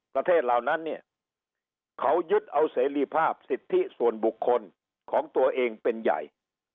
เหล่านั้นเนี่ยเขายึดเอาเสรีภาพสิทธิส่วนบุคคลของตัวเองเป็นใหญ่